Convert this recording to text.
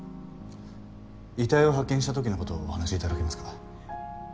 遺体を発見した時のことをお話しいただけますか？